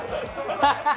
ハハハハ！